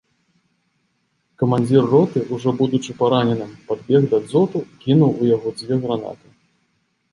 Камандзір роты, ужо будучы параненым, падбег да дзоту, і кінуў у яго дзве гранаты.